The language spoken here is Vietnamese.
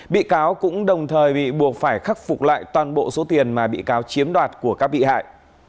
bị cáo cũng đồng thời bị buộc phải khắc phục lại toàn bộ số tiền mà bị cáo chiếm đoạt của các bị hại